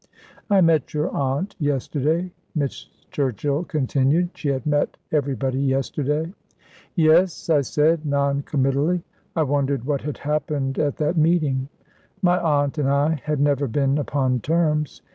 "I met your aunt yesterday," Miss Churchill continued. She had met everybody yesterday. "Yes," I said, non committally. I wondered what had happened at that meeting. My aunt and I had never been upon terms.